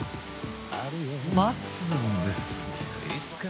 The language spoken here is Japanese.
柄本）待つんですね。